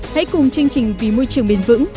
hãy cùng chương trình vì môi trường bền vững